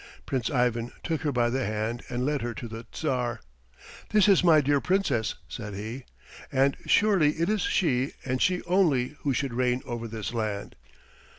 Prince Ivan took her by the hand and led her to the Tsar. "This is my dear Princess," said he, "and surely it is she and she only who should reign over this land."